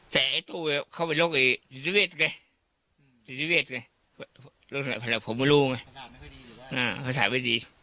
แต่ตู้เข้าไปโรคดิสเวสไงภาษาไม่ค่อยดี